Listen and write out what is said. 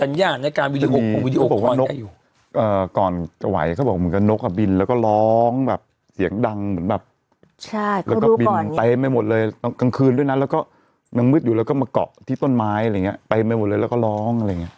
ไปไปหมดเลยตั้งคืนด้วยนะแล้วก็มันมืดอยู่แล้วก็มาเกาะที่ต้นไม้อะไรอย่างเงี้ยไปไปหมดเลยแล้วก็ร้องอะไรอย่างเงี้ย